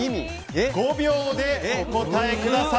５秒でお答えください。